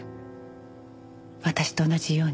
私と同じように。